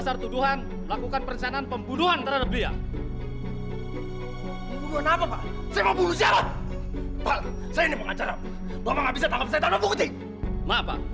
sampai jumpa di video selanjutnya